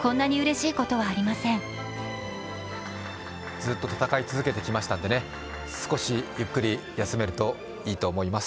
ずっと戦い続けてきましたんでね、少しゆっくり休めるといいなと思います。